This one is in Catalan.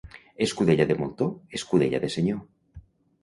Escudella de moltó, escudella de senyor.